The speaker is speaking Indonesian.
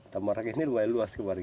tambang rakyat ini lumayan luas kemarin